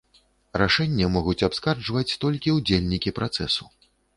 Рашэнне могуць абскарджваць толькі ўдзельнікі працэсу.